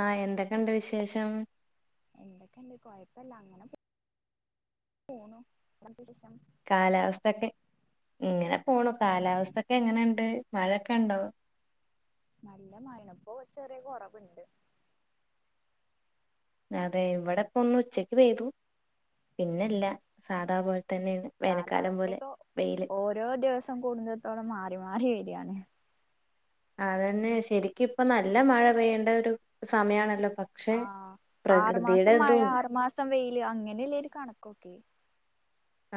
ആ എന്തൊക്കെ ഇണ്ട് വിശേഷം എന്തൊക്കെയുണ്ട് കുഴപ്പല്ല അങ്ങനെ പോണു ശേഷം കാലാവസ്ഥ ഒക്കെ ഇങ്ങനെ പോണു കാലാവസ്ഥൊക്കെ എങ്ങനെണ്ട് മഴയൊക്കെ ഉണ്ടോ നല്ല മഴ ഇപ്പോ ചെറിയ കുറവുണ്ട് അതെ ഇവിടെ ഇപ്പോ ഒന്നും ഉച്ചക്ക് പെയ്തു പിന്നില്ല സാദാ പോലെ തന്നെയാണ് വേനൽക്കാലം പോലെ കാലാവസ്ഥക്ക വെയില് ഓരോ ദിവസം കൂടുന്നത്തോളം മാറി മാറി വരിയാണ് അതന്നെ ശരിക്കും ഇപ്പ നല്ല മഴ പെയ്യേണ്ട ഒരു സമയണല്ലോ ആ ആറു മാസം മഴ ആറു മാസം വെയില് അങ്ങനെല്ല ഒരു കണകകെ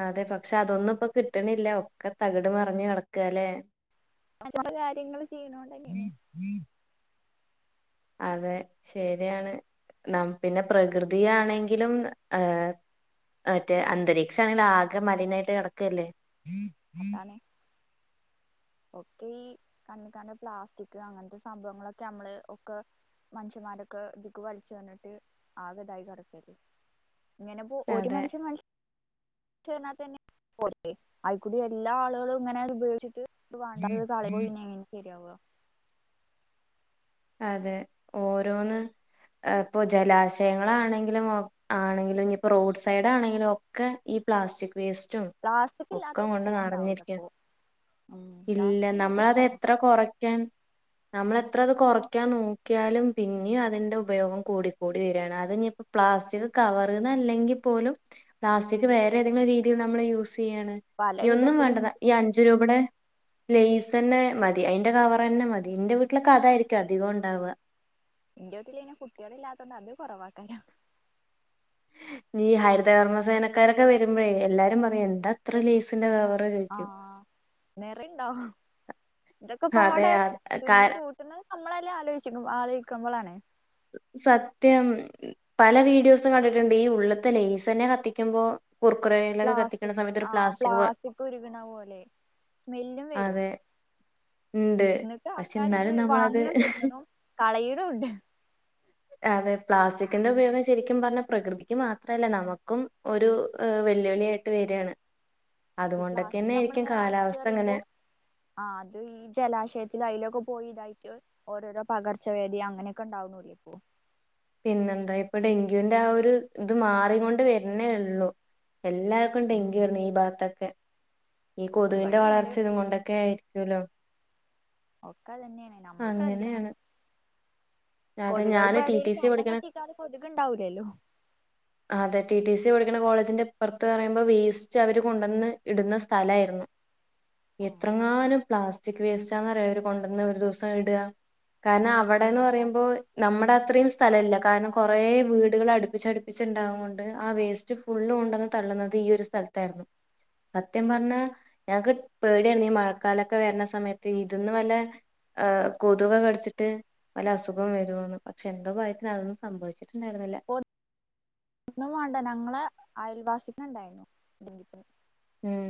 അതെ പക്ഷെ അതൊന്നും ഇപ്പൊ കിട്ടണില്ല ഓക്കെ തകിട് മറിഞ്ഞു കിടക്കല്ലെ അത് ഓരോ കാര്യങ്ങള് ചെയ്യണോണ്ട അല്ലേ അതെ ശരിയാണ് എന്നെ പിന്നെ പ്രകൃതിയാണെങ്കിലും ഏ മറ്റേ അന്തരീക്ഷ ആണെങ്കിലും ആകെ മലിനമായിട്ട് കിടക്കല്ലേ അതാണ് ഒക്കെ ഈ കണ്ണിക്കാണ് ണ പ്ലാസ്റ്റിക് അങ്ങനത്തെ സംഭവങ്ങളൊക്കെ നമ്മള് ഒക്കെ മനുഷ്യ ന്മാരൊക്കെ ഇതീക്ക് വലിച്ചെർഞ്ഞിട്ട് ആകെതായി കെട്ക്കാണ് ഇങ്ങനെപ്പോ ഒരു അതെ മനുഷ്യൻ മ തീർനാ തന്നെ [unintelligible] അയിക്കൂടി എല്ലാ ആളുകളും ഇങ്ങനെ ഉപയോഗിച്ചിട്ട് ഇത് വാണ്ട ഇത് കളയുമ്പം പിന്നെങ്ങനെ ശെര്യാവ അതെ ഓരോന്ന് ഇപ്പൊ ജലാശയങ്ങളാണെങ്കിലും ആണെങ്കിലും പ്പൊ റോഡ് സൈഡാണെങ്കിലും ഒക്കെ ഈ പ്ലാസ്റ്റിക് വേസ്റ്റും പ്ലാസ്റ്റിക് ഒക്കെ ഇല്ലാത്തൊരു കൊണ്ട് സ്ഥലം ഉണ്ടാവൂല നറഞ്ഞിരിക്കാണ് അപ്പൊ ഉം ഇല്ല പ്ലാസ്റ്റിക് ഇല്ലാത്ത നമ്മളത് സ്ഥലം എത്ര കൊറയ്ക്കാൻ നമ്മൾ എത്ര അത് കൊറ ത്ര നോക്ക്യാലും പിന്നേം അതിന്റെ ഉപയോഗം കൂടിക്കൂടി വരാണ് അതിഞ്ഞ് പ്ലാസ്റ്റിക് കവറ്ന്ന് അല്ലെങ്കിൽ പോലും പ്ലാസ്റ്റിക് വേറേതെങ്കിലും രീതിയിൽ നമ്മൾ യൂസ് യാണ് പല ഇനി ഒന്നും വിധത്തിലും വേണ്ട ഉണ്ട് ഈ അഞ്ചു രൂപടെ ലെയസെന്നെ മതി അയിന്റെ കവറന്നെ മതി ഇന്റെ വീട്ടിലൊക്കെ അതയിരി അധികം ഉണ്ടാവുക ഇന്റോട്ത്തിൽ പിന്നെ കുട്ട്യാളില്ലാത്തോണ്ട് അത് കൊറവാക്കാരം. ഈ ഹരിതകർമ്മസേനക്കാരൊക്കെ വരുമ്പഴേ എല്ലാരും പറയാര്ന്നു. [unintelligible] ആ നെറിണ്ടോ അതെ ഇതൊക്കെപ്പാടെ അത് തിന്ന് കാ- കൂട്ടുന്നത് നമ്മളെന്നെ ആലോചിക്ക് ആലോയ്ക്കുമ്പളാണ്. സത്യം പല വീഡിയോസും കണ്ടിട്ടുണ്ട് ഈ ഉള്ള്ത്ത ലെയസെന്നെ കത്തിക്കുമ്പോ കുർക്കുറയിലൊക്കെ കത്തിക്കുന്ന പ്ലാസ്റ്റിക് സമയത്ത് ആ ഒരു പ്ലാസ്റ്റിക് ഉരുകണ പോലെ സ്മെല്ലും വരും അതെ ഇണ്ട് എന്നിട്ട് പക്ഷെ ആൾക്കാര് ഇത് എന്നാലും നമ്മളത് വാങ്ങ്ണും തിന്ന്ണും കളയിണും ഉണ്ട്. അതെ പ്ലാസ്റ്റിക്കിന്റെ ഉപയോഗം ശരിക്കും പറഞ്ഞ പ്രകൃതിക്ക് മാത്രല്ല നമുക്കും ഒരു വ വെല്ലുവിളിയായിട്ട് വരാണ് ഈ പ്ലാസ്റ്റിക് നമ്മളിങ്ങനെ അങ്ങനെ വലിച്ചെറിയുമ്പോ ആ അത് ഈ ജലാശയത്തില് അയിലൊക്കെ പോയിതായിട്ട് ഓരോരോ പകർച്ചവ്യാദി അങ്ങനെക്കെ ഉണ്ടാവണ്ല്ലേ ഇപ്പൊ പിന്നെന്താ ഇപ്പൊ ഡെങ്ക്യുന്റെ ആ ഒരു ഇത് മാറികൊണ്ട്‌ വരുന്നേ ഉള്ളു എല്ലാർക്കും ഉം ഡെങ്കി വന്ന് ഈ ഭാഗത്തൊക്കെ ഈ കൊതുകിന്റെ ഇബടിം ഇണ്ട് വളർച്ച ഇത് കൊണ്ടൊക്കെ ആയിരിക്കുവല്ലോ ഒക്കെ അതന്നേണ് നമ്മള് ശ്രദ്ധിക്കണം അങ്ങനെയാണ് അതെ കൊതുകൾ ഞാന് ടി ടി ഇപ്പേടീം സി വെള്ളം പഠിക്കണ കെട്ടിക്കാത കൊതുക് ഉണ്ടാവൂലല്ലോ ആ അതെ ടി ടി സി പഠിക്ക്ണ കോളേജിന്റെ ഇപ്പർത്ത് പറയുമ്പോ വേസ്റ്റ് അവര് കൊണ്ടന്ന് ഇടുന്ന സ്ഥലായിരുന്നു. ഉം എത്രങ്ങാനും പ്ലാസ്റ്റിക് വേസ്റ്റാന്നറിയോ അവര് കൊണ്ടന്ന് ഒരു ദിവസം ഇടുക കാരണം ആ അവിടെന്ന് അതാണ് പറയുമ്പോ നമ്മടെ അത്രയും സ്ഥലയില്ല കാരണം കൊറേ വീടുകൾ അടുപ്പി അടുപ്പിച്ചടു പ്പിച്ചുണ്ടാവുന്നോണ്ട് ആ വേസ്റ്റ് ഫുള്ള് കൊണ്ടെന്ന് തള്ളുന്നത് ഈ ഒരു സ്ഥലത്തായിരുന്നു. സത്യം പറഞ്ഞ ഞങ്ങക്ക് പേടിയാണ് ഈ മഴക്കാലൊക്കെ വരണ സമയത്ത് ഇതിന്ന് വല്ല ഏ കൊതുക് കടിച്ചിട്ട് വല്ല അസുഖം വരോന്ന് പക്ഷെ എന്തോ ഭാഗ്യത്തിന് അതൊന്നും സംഭവിച്ചിട്ടുണ്ടായിരു ന്നില്ല ന്ന വാണ്ട ഞങ്ങളെ അയൽവാസിക്കൊണ്ടായിരുന്നു ഇല്ലെങ്കിപ്പൊ ഉം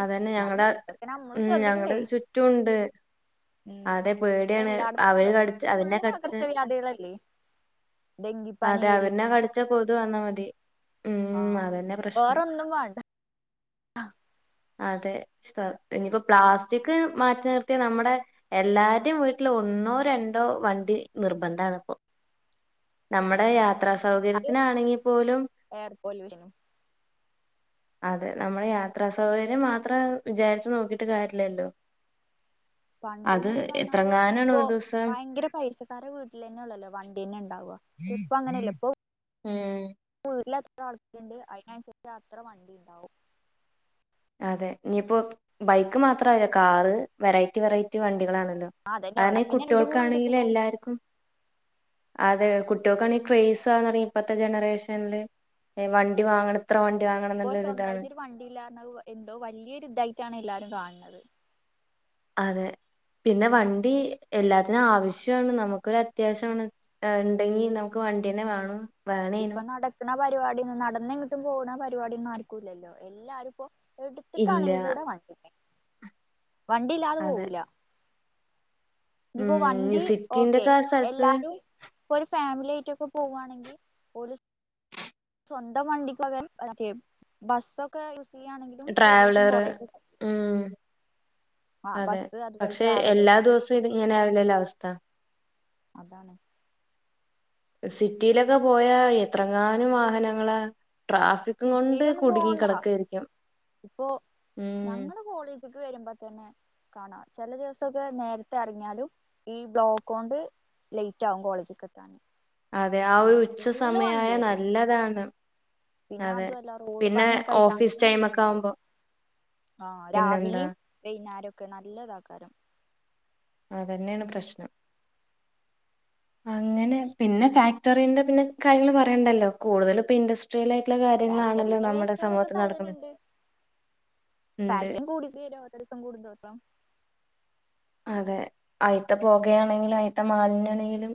അത് തന്നെ ഞങ്ങടെ ഇതൊക്കെ നമ്മള് ഉം ഞങ്ങടെ ശ്രദ്ധിക്കണ്ടേ ചുറ്റും ഉണ്ട് ഉം അതെ ഇപ്പൊ പേടിയാണ് എല്ലായിടത്തും അവര് ഉണ്ടല്ലോ കടിച്ച ഇപ്പൊ അതിനെ ഫുള്ള് കടിച്ച പകർച്ചവ്യാധികളല്ലേ ഡെങ്കിപ്പനി അതെ അവന്നെ എലിപ്പനി കടിച്ച കൊതു വന്നാ മതി ആ ഉം അതന്നെ പ്രശ്നം വേറൊന്നും വാണ്ട അ അതെ സ്ത ഇനിപ്പോ പ്ലാസ്റ്റിക് മാറ്റി നിർത്തി നമ്മുടെ എല്ലാരെടം വീട്ടില് ഒന്നോ രണ്ടോ വണ്ടി നിർബന്ധാണ് ഇപ്പൊ നമ്മുടെ ഉം യാത്രാ അത് സൗകര്യത്തിനാണെങ്കി പോലും എയർ പൊല്യൂഷൻ അതെ നമ്മളെ യാത്രാ സൗകര്യം മാത്രം വിചാരിച്ചു നോക്കിട്ട് കാര്യല്ലല്ലോ പണ്ട്ന്നൊക്കെ പറഞ്ഞാല് ഇപ്പൊ ഒരു ദിവസം ഭയങ്കര പൈസക്കാരെ വീട്ടിലെന്നള്ളല്ലോ വണ്ടിയെന്നെ ഉണ്ടാവ ചിപ്പങ്ങനല്ല ഇപ്പൊ ഉം വീട്ടില് എത്ര അള്കാരയിണ്ട് അയിനനുസരിച്ച് അത്ര വണ്ടി ഇണ്ടാവും അതെയിപ്പൊ ബൈക്ക് മാത്രല്ല കാറ് വെറൈറ്റി വെറൈറ്റി വണ്ടികളാണ് ല അതന്നെ കാരണം ഈ ഒരാക്കന്നെ രണ്ടും മൂന്ന് വണ്ടിയൊക്കെ കുട്ടോൾക്കാണെങ്കിലൂം ഉണ്ടാവും എല്ലാർക്കും അതെ കുട്ടോൾക്കാണെ ക്രയ്സ്സാന്നറീം ഇപ്പത്തെ ജനറേഷന്ല് വണ്ടി വാങ്ങണം ഇത്ര വണ്ടി വാങ്ങണം ഇപ്പൊ എന്നുള്ളൊരു ഇതാണ് സ്വന്തായിട്ടൊരു വണ്ടി ഇല്ലാഞ്ഞത് എന്തോ വല്യൊരു ഇതായിട്ടാണ് എല്ലാരും കാണണത് അതെ പിന്നെ വണ്ടീ എല്ലാത്തിനും ആവശ്യാണ് നമുക്കൊര അത്യാവശ്യം വന്ന ഇണ്ടെങ്കി നമുക്ക് വ വണ്ടിന്നെ വേണം ഇപ്പൊ വേണേനും നടക്ക്ണ പരിപാടിയൊന്നും നടന്നെങ്ങ്ട്ടും പോണ പരുപാടിഒന്നും ആർക്കുല്ലലൊ എല്ലാരും ഇപ്പൊ ഇല്ല എട്ത്ത്ക്കാണെങ്കി കൂടെ വണ്ടിമ്മെ വണ്ടില്ലാതെ അതെ പോവൂല ഞിപ്പൊ ഉം വണ്ടി സിറ്റിന്റെ ഓക്കെ ഒക്കെ ആ സ്ഥലത്ത് എല്ലാരും ഇപ്പൊ ഒരു ഫാമിലി ആയിറ്റൊക്കെ പോവാണെങ്കി ഒരു സ് സ്വന്തം വണ്ടിക് പകരം മറ്റേ ബസ്സൊക്കെ ചെയ്യാണെങ്കിലും പൊല്യൂഷൻ ട്രാവലറ് കൊറേ ഉം ആഹ് അതെ ബസ്സ് അതുപോലെ പക്ഷെ എല്ലാ ട്രാവലറ് ദിവസവും ഇതിങ്ങനെ ആവലല്ലെ അവസ്ഥ അതാണ് സിറ്റീലൊക്കെ പോയ എത്രങ്ങാനും വാഹനങ്ങളാ ട്രാഫിക് ങ്ങൊണ്ട് കുടുങ്ങി കടക്കെര്ക്കും ഇപ്പോ ഞങ്ങള് കോളേജിക്ക് വരുമ്പതന്നെ കാണാം ചെല ദിവസൊക്കെ നേര്ത്തെ എറങ്ങിയാലും ഈ ബ്ലോക്കോണ്ട് ലെയ്റ്റാവും കോളേജ്ക്ക് എത്താന്. അതെ ആഹ് ഒരു ആണ് ഉച്ച ഫുള്ള് സമയായ വണ്ടികള് നല്ലതാണ്. പിന്നെ അതെ. അതു അല്ല റോഡ് പിന്നെ പണിയൊക്കെ ആയിറ്റ് ഓഫീസ് അങ്ങനി പിന്നെ ടൈമൊക്കെ ഇതാവും ആവുമ്പോ ആഹ് പിന്നെന്താ രാവിലിം വൈന്നേരൊക്കെ നല്ലതാക്കാരം. അതെന്നേണ് പ്രശ്നം അങ്ങനെ പിന്നെ ഫാക്ടറിന്റെ പിന്നെ കാര്യങ്ങള് പറയണ്ടല്ലൊ കൂടുതല് ഇപ്പൊ ഇൻഡസ്ട്രീല് കാര്യങ്ങളാണല്ലൊ ഫാക്ടറിത്തെ നമ്മുടെ സമൂഹത്തി നടക്ക്ന്നെ പാക്കിംഗ് കൂടി [unintelligible] ഓരോദിവസം കൂടുംതോറും അതെ അയ്ത്ത പൊകയാണെങ്കിലും അയ്ത്ത മാലിന്യാണെങ്കിലും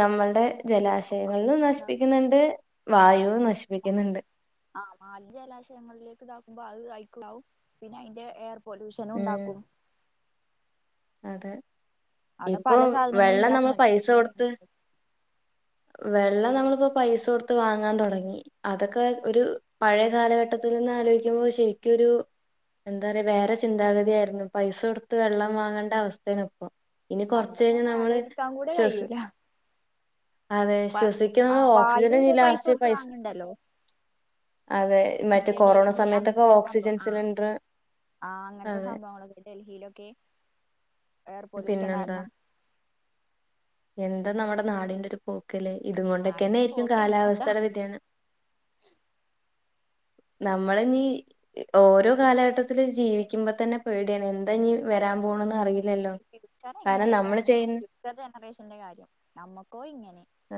നമ്മള്ടെ ഒക്കെ ജലാശയങ്ങളിൽ പൊല്യൂഷൻ നശിപ്പിക്ക്ന്ന്ണ്ട് വായുവും നശിപ്പിക്ക്ന്ന്ണ്ട്. ആഹ് മാലി ജലാശയങ്ങളിലേക്ക് ഇതാക്കുമ്പൊ അവ് പിന്നെ അയിന്റെ എയർ ഉം പൊല്യൂഷനുണ്ടാകും. അതെ. അവിടെ ഇപ്പൊ പല സാധനങ്ങളും വെള്ളം ഉണ്ടാക്കണ നമ്മള് പൈസ ഫാക്ടറിയാണ്. കൊട്ത്ത് വെള്ളം നമ്മളിപ്പൊ പൈസ കൊടുത്ത് വാങ്ങാൻ തൊടങ്ങി അതൊക്കെ ഒരു പഴയ കാലഘട്ടത്തിൽ നിന്ന് ആലൊയ്കുമ്പൊ ശരിക്കൊരു എന്താറയ വേറെ ചിന്താഗതിയായിരുന്നു. പൈസൊടുത്ത് വെള്ളം വാങ്ങ അവസ്ഥേണിപ്പൊ ഇനി കൊർച്ച് പണ്ടൊന്നും കഴിഞ അത് നമ്മള് ആലോചിക്കാൻ കൂടെ ശ്വാസി കഴിയൂല അതെ പ- ആ ശ്വസിക്കുന്ന വായു ഓക്സിജന് ഇപ്പൊ ലാസ്റ്റ് കൊടുത്ത് പൈസ വാങ്ങണ്ടല്ലോ അതെ മറ്റേ കൊറോണ സമയത്തൊക്കെ ഓക്സിജൻ സിലിണ്ട്റ് ആഹ് അങ്ങൻത്തെ സംഭവങ്ങളൊക്കെ ഡൽഹിയിലൊക്കെ എയർ പൊല്യൂഷം പിന്നെന്താ കാരണം എന്താ നമ്മ്ടെ നാടിന്റെ ഒര് പോക്ക്ലെ ഇത് നാടിന്റെ കൊൻണ്ടൊക്കെന്നെരിക്കും പോക്ക് എങ്ങോട്ടാ കാലാവസ്ഥടെ വ്യതിയാനം നമ്മള് ഞീ ഓരോ കാലഘട്ടത്തില് ജീവിക്കുമ്പത്തന്നെ പേടിയാണ് എന്താന്ന് വരാൻ പോ പോണ്ന്നറിയ് പിച്ചറെങ്ങനെകാരംന്നാവൊ പ്പതെ ജനറേഷൻ കാര്യം ഞമ്മക്കോ ഇങ്ങനെ ആ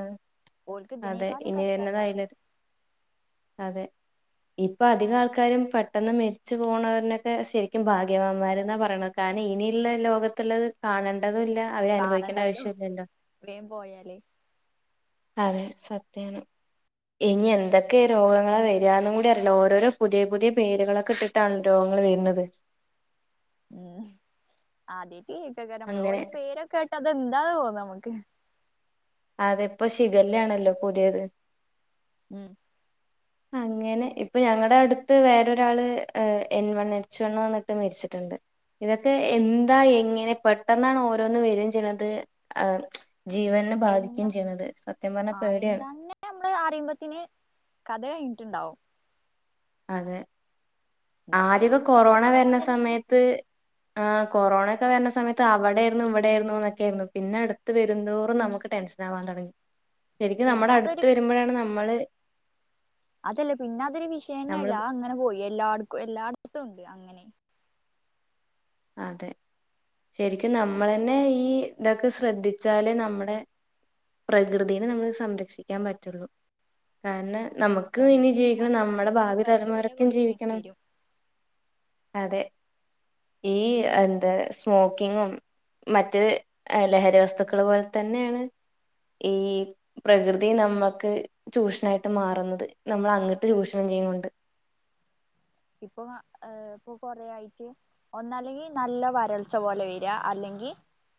ഓൽക്ക് അതെ ദിനേകാട്ലും ഇനി കഷ്ട്ടക്കാരം വരുന്നതായില്ല അതെ ഇപ്പൊ അധികം ആൾക്കാരും പെട്ടെന്ന് മരിച്ചു പോണവരനൊക്കെ ശരിക്കും ഭാഗ്യവന്മാര ന്നാ പറയണ കാരണം ഇനിയുള്ള ലോകത്തുള്ളത് കാണേണ്ടതുംല്ല അവര്നുഭവിക്കേണ്ട കാണണ്ടല്ലോ ആവശ്യ വേം പോയാലേ അതെ സത്യാണ്. ഇനി എന്തൊക്കെ രോഗങ്ങളെ വരാ ന്നും കൂടി അറില്ല. ഓരോരോ പുതിയ പുതിയ പേരുകളൊക്കെ ഇട്ടിട്ടാണ് രോ ങ്ങള് വരുന്നത്. ഉം ആദ്യായിട്ട് കേക്കക്കാരംമ്മള് അങ്ങനെ ഓരോ പേരൊക്കെ അതെന്താണാവോ നമ്മക്ക് അത ഇപ്പ ശിഖല്ലയാണല്ലോ പുതിയത്. ഉം അങ്ങനെ ഇപ്പൊ ഞങ്ങടെടുത്ത് വേറൊരാള് എൻ വൺ എച്ച് വൺ വന്നിട്ട് മേരിച്ചിട്ടുണ്ട്. ഇതൊക്കെ എന്താ എങ്ങനെ പെട്ടെന്നാണ് ഓരോന്ന് വരയും ചെയണത്. ജീവനെ ബാധിക്കുകയും എന്താ ചെയ്യുന്നത് സത്യം പറഞ്ഞ ആഹ് പേടിയാണ് കതയെ ഇന്റുണ്ടാവും. അതെ ഇതൊക്കെ ആദ്യൊക്കെ നമ്മളെ ശ്രദ്ധ കൊറോണ വരണ കുറവോണ്ടന്നേണ് സമയത്ത് ആ കൊറോണ ഒക്കെ വരണ സമയത്ത് അവിടെ ആയിരുന്നു ഇവിടെയായിരുന്നു എന്നൊക്കെ ആയിരുന്നു പിന്നെ അടുത്ത് വെരും ന്തോറും നമുക്ക് ടെൻഷൻ ആവാൻ തൊടങ്ങി. ശരിക്കും പിന്നെ നമ്മുടെ അടുത്ത് അതൊരു വരുമ്പോഴാണ് നമ്മള് അതല്ലേ പിന്നെ അതൊരു വിഷയന്നെ നമ്മള് അല്ല അങ്ങനെ പോയി എല്ലാട് എല്ലായിടത്ത്തും ഉണ്ട് അങ്ങനെ അതെ ശരിക്കും നമ്മളെന്നെ ഈ ഇതൊക്കെ ശ്രദ്ധിച്ചാലെ നമ്മടെ പ്രകൃതിനെ നമ്മള് സംരക്ഷിക്കാൻ പറ്റുള്ളൂ കാരണം നമുക്കും ഇനി പ്രകൃതിനെ ജീവിക്കണം നമ്മുടെ സംരക്ഷിച്ചില്ലെങ്കിൽ ഭാവി വലിയ വില തലമുരക്കും കൊടുക്കേണ്ടി ജീവിക്കണം വരും അതെ ഈ എന്താ സ്മോക്കിങ്ങും മറ്റ് ലഹരി വസ്തുക്കൾ പോലെ തന്നെയാണ് ഈ പ്രകൃതി നമ്മുക്ക് ചൂഷണായിട്ട് മാറുന്നത് നമ്മൾ അങ്ങിട്ട് ചൂഷണം ചെയ്യുന്നുണ്ട് ഇപ്പ കൊറ ആായിട്ട് ഒന്നല്ലെങ്കിൽ നല്ല വരൾച്ച പോലെ വരി അല്ലെങ്കിൽ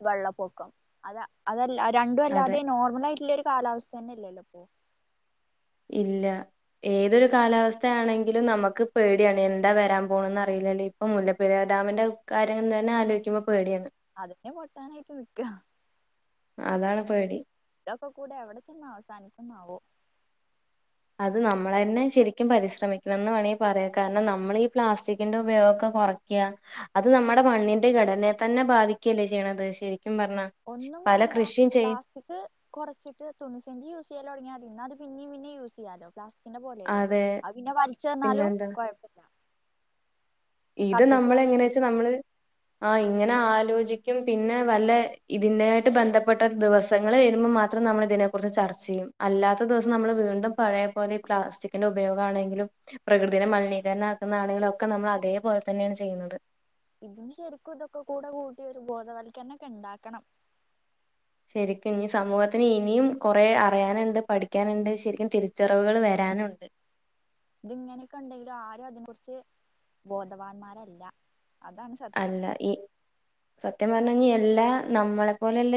വെള്ളപ്പൊക്കം അത അതല്ല രണ്ടും അതെ അല്ലാതെ നോർമൽ ആയിട്ടുള്ള ഒരു കാലാവസ്ഥ തന്നെല്ലല്ലോ ഇല്ല ഏതൊരു കാലാവസ്ഥയാണെങ്കിലും നമുക്ക് പേടിയാണ് എന്താ വരാൻ പോണന്ന് അറിയില്ല പി ഇപ്പൊ മുല്ലപ്പെരി ഡാമിന്റെ കാര്യങ്ങൾ തന്നെ ആലോിക്കുമ്പോൾ അതെ പൊട്ടാനായിട്ട് നിക്ക അതാണ് പേടി ഇതൊക്കെ കൂടെ എവിടെ ചെന്ന് അവസാനിക്കുന്നാവോ അത് നമ്മൾ തന്നെ ശരിക്കും പരിശ്രമിക്കണം എന്ന് വേണമെങ്കിൽ പറയാം കാരണം നമ്മൾ ഈ പ്ലാസ്റ്റിക്കിന്റെറെ ഉപയോഗ റക്ക അത് നമ്മുടെ മണ്ണിന്റെ ഘടനയ തന്നെ ബാധിക്കല്ലേ ചെയ്യണത് ശ ഒന്നും വേണ്ട പ്ലാസ്റ്റിക് കുറച്ചിട്ട് തണിസഞ്ച് യൂസ് ചെയ്യല തുടങ്ങിയത് പിന്നേ പിന്നേ യൂസ് ചെയ്യാലോ പ്ലാസ്റ്റിക്കിന്റെ പോലെല്ലല്ലോ അതെ അ പിന്നെ വലിച്ചു തഞ്ഞാലും പിന്നെന്താ കുഴപ്പമില്ല ഇത് കത്തിച്ച് നമ്മൾ കളയും എങ്ങനാെച്ച ചെയ്യാം നമ്മള് ആ ഇങ്ങനെ ആലോചിക്കും പിന്നെ വല്ല ഇതിന്റൊയിട്ട് ബന്ധപ്പെട്ട ദിവസങ്ങൾ വരുമ്പോൾ മാത്രം നമ്മള തിനെ കുറിച്ച് ചർച്ച ചെയ്യും അല്ലാത്ത ദിവസം നമ്മൾ വീണ്ടും പഴയ പോലെ ഈ പ്ലാസ്റ്റിക്കിന്റെ ഉപയോഗം ആണെങ്കിലും പ്രകൃതിെ മലിനീകരണണം ആക്കുന്ന ആളുകളൊക്കെ നമ്മൾ അതേപോലെ തന്നെയാണ് ചെയ്യുന്നത് ഇതിന് ശരിക്കും ഇതൊക്കെ കൂടെ കൂട്ടി ഒരു ബോധവൽക്കരണംൊക്കെ ഉണ്ടാക്കണം ശരിക്കും ഇനി സമൂഹത്തിന് ഇനിയും കുറെ അറിയാനുണ്ട് പഠിക്കാനുണ്ട് ശരിക്കും തിരിച്ചറിവുകൾ വരാ ഞാനണ്ട് ഇത്ങ്ങനെയൊക്കെ ഉണ്ടെങ്കിലും ആരും അതിനെ കുുറിച്ച് ബോധവാന്മാരല്ല അതാണ് സത്യം അല്ല ഈ സത്യ എല്ലാ നമ്മളെ പോലെല്ല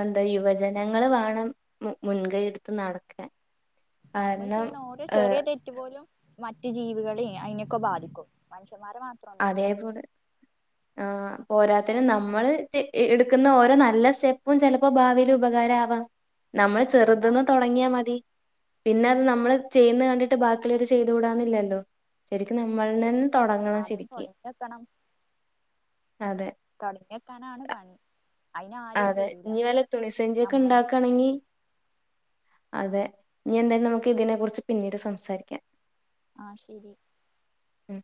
എന്താ യുവജനങ്ങള് വേണം മുൻകൈ എടു നട്ക്കാൻ നമ്മൾ ചെയ്യ്ണ ഓരോ ചെറിയ തെറ്റ് പോലും മറ്റു ജീവികളെ അയ്നൊക്ക ബാധിക്കും മൻശ് അതേപോലെ ആ പോരാത്തന് നമ്മള് ത്തി എടുക്കുന്ന ഓരോ നല്ല സ്റ്റെപ്പും ചെലപ്പോ ഭാവില് ഉപകാരാവാം നമ്മള് ചെറുത്ന്ന് അതാണ് തൊടങ്ങിയാ മതി പിന്നെ നമ്മള് ചെയ്യ്ന്ന കണ്ടിട്ട് ബാക്കിള്ളവര് ചെയ്ത് കൂടാന്നില്ലല്ലോ ശരിക്കും നമ്മൾണെ തൊടങ്ങണം ശരി തൊടങ്ങി ക്കണം അതെ തൊട്ങ്ങ്യക്കാനാണ് പണി അയിനാരും അതെ വരൂല ന്നി വല്ല തുണിസഞ്ചിയൊക്കെ നമ്മളെന്നെ ണ്ടാക്കാണെങ്കി അതെ ന്നി എന്തായാലും നമുക്ക് ഇതിനെ കുറിച്ച് പിന്നീട് സംസാരിക്കാം ആഹ് ശരി ഉം